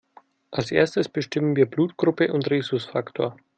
Als Erstes bestimmen wir Blutgruppe und Rhesusfaktor.